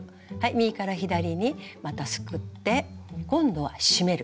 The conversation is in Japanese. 右から左にまたすくって今度は締める。